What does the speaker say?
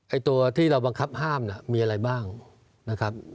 ตัวที่เราบังคับห้ามมีอะไรบ้างนะครับ